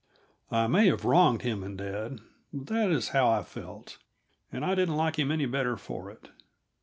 I may have wronged him and dad, but that is how I felt, and I didn't like him any better for it.